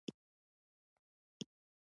لکه د امېل دانې چې پۀ تار کښې پېرلے شوي وي